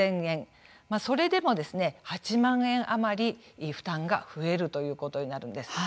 それでも、８万円余り負担が増えるということになるんです。